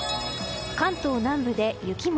関東南部で雪も。